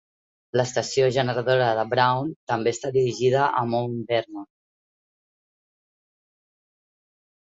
L'estació generadora de Brown també està dirigida a Mount Vernon.